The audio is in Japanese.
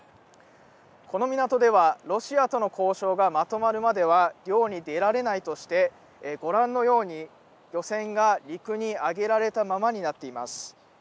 この港では、ロシアとの交渉がまとまるまでは漁に出られないとして、ご覧のように、漁船が陸に揚げられたままになっています。